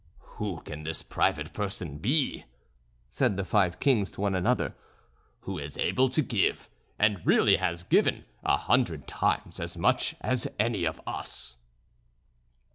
"Who can this private person be," said the five kings to one another, "who is able to give, and really has given, a hundred times as much as any of us?"